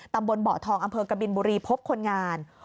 ตำบลเบาะทองอำเภอกบินบุรีพบคนงาน